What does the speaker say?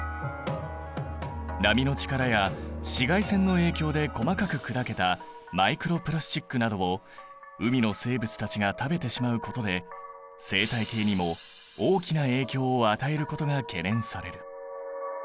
波の力や紫外線の影響で細かく砕けたマイクロプラスチックなどを海の生物たちが食べてしまうことで生態系にも大きな影響を与えることが懸念される。